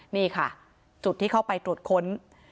นี่ค่ะจุดที่เข้าไปตรวจค้น